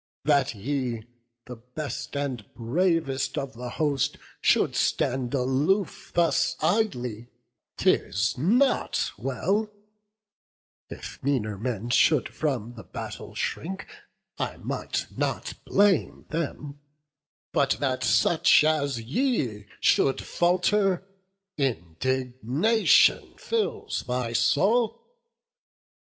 That ye, the best and bravest of the host, Should stand aloof thus idly, 'tis not well; If meaner men should from the battle shrink, I might not blame them; but that such as ye Should falter, indignation fills my soul.